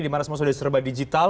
dimana semua sudah serba digital